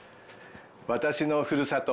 私のふるさと